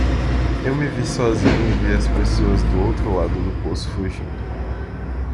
Eu me vi sozinho e vi as pessoas do outro lado do poço fugindo.